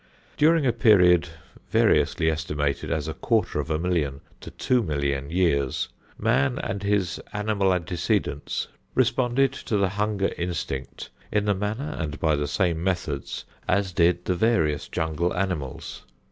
During a period variously estimated as a quarter of a million to two million years, man and his animal antecedents responded to the hunger instinct, in the manner and by the same methods as did the various jungle animals.